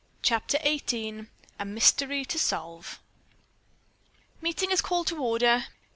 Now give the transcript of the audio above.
CHAPTER XVIII. A MYSTERY TO SOLVE "Meeting is called to order!"